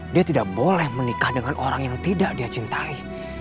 dia tidak boleh menikah dengan orang yang tidak dia cintai